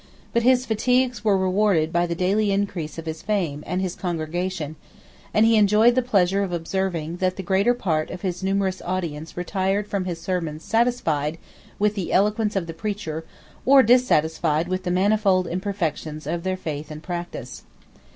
But his fatigues were rewarded by the daily increase of his fame and his congregation; and he enjoyed the pleasure of observing, that the greater part of his numerous audience retired from his sermons satisfied with the eloquence of the preacher, 35 or dissatisfied with the manifold imperfections of their faith and practice.